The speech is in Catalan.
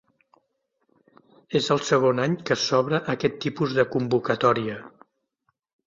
És el segon any que s'obre aquest tipus de convocatòria.